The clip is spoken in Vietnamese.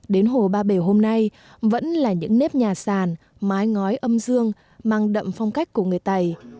đến hồ ba bể hôm nay vẫn là những nếp nhà sàn mái ngói âm dương mang đậm phong cách của người tày